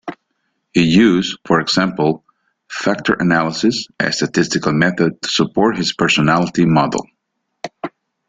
He used, for example, factor analysis, a statistical method, to support his personality model.